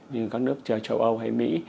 như các nước châu âu hay mỹ